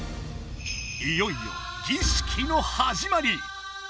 いよいよ儀式のはじまり！